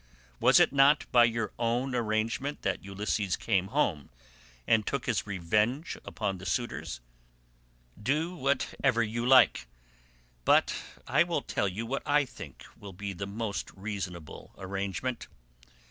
Was it not by your own arrangement that Ulysses came home and took his revenge upon the suitors? Do whatever you like, but I will tell you what I think will be most reasonable arrangement.